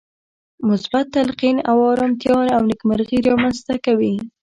مثبت تلقين ارامتيا او نېکمرغي رامنځته کوي.